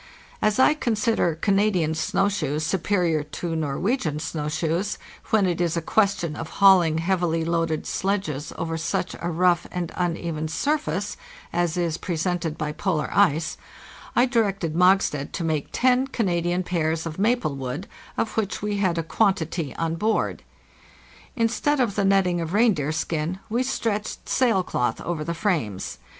As I consider Canadian snow shoes superior to Norwegian snow shoes, when it is a question of hauling heavily loaded sledges over such a rough and uneven surface as is presented by polar ice, I directed Mogstad to make ten Canadian pairs of maple wood, of which we had a quantity on board. Instead of the netting of reindeer skin we stretched sail cloth over the frames.